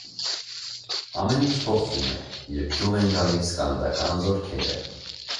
Ամեն ինչ փոխվում է, երբ գյուղ են գալիս կանադական զորքերը։